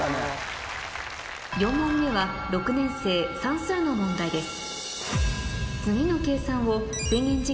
４問目は６年生算数の問題です